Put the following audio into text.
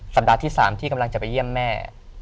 ปัดที่๓ที่กำลังจะไปเยี่ยมแม่